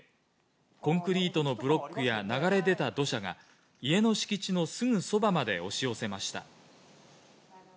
コンクリートのブロックや流れ出た土砂が、家の敷地のすぐそばまで押し寄せました。